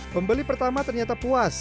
pembeli pertama ternyata puas